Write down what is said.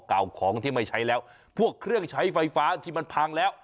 เก่าของที่ไม่ใช้แล้วพวกเครื่องใช้ไฟฟ้าที่มันพังแล้ว